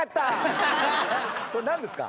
これ何ですか？